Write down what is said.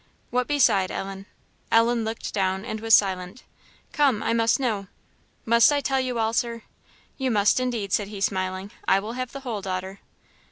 "What beside, Ellen?" Ellen looked down, and was silent. "Come, I must know." "Must I tell you all, Sir?" "You must, indeed," said he, smiling; "I will have the whole, daughter."